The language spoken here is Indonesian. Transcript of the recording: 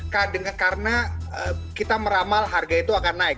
karena kita meramal harga itu akan naik